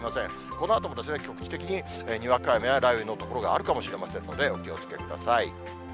このあとも局地的ににわか雨や雷雨の所があるかもしれませんので、お気をつけください。